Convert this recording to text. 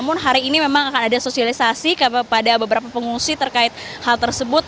maka ada sosialisasi pada beberapa pengungsi terkait hal tersebut